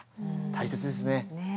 大切ですね。